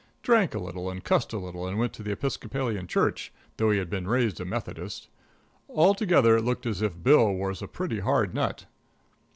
Drank a little and cussed a little and went to the Episcopal Church, though he had been raised a Methodist. Altogether it looked as if Bill was a pretty hard nut.